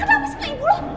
aminah kenapa sih ibu loh